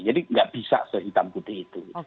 jadi tidak bisa sehitam putih itu